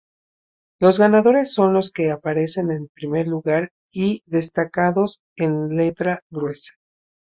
Los ganadores son los que aparecen en primer lugar y destacados en letra gruesa.